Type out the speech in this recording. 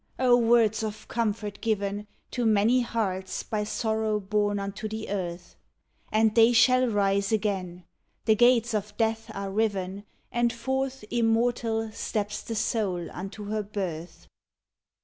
Oh, words of comfort given To many hearts by sorrow borne unto the earth! "And they shall rise again!" The gates of death are riven, And forth, immortal, steps the Soul unto her birth!